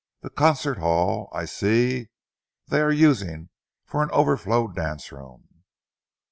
The concert hall I see they are using for an overflow dance room.